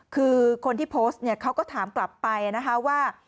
คือคนที่โพสต์เนี่ยเขาก็ถามกลับไปนะคะว่า